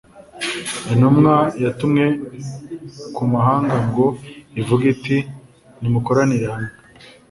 intumwa yatumwe ku mahanga ngo ivuge iti nimukoranire hamwe